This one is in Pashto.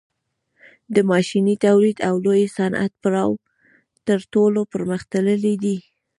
د ماشیني تولید او لوی صنعت پړاو تر ټولو پرمختللی دی